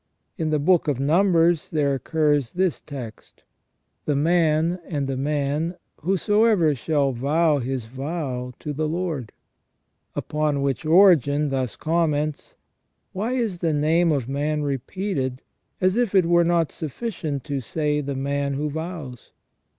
In the Book of Numbers there occurs this text :" The man and the man whosoever shall vow his vow to the Lord ". Upon which Origen thus comments :" Why is the name of man repeated, as if it were not sufficient to say the man who vows